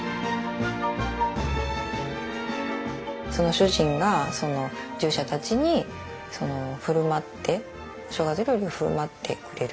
主人が従者たちに振る舞って正月料理を振る舞ってくれる。